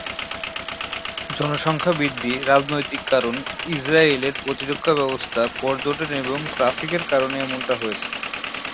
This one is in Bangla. জনসংখ্যা বৃদ্ধি, রাজনৈতিক কারণ, ইসরায়েলের প্রতিরক্ষা ব্যবস্থা, পর্যটন এবং ট্র্যাফিকের কারণে এমনটা হয়েছে।